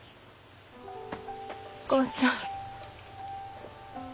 お母ちゃん。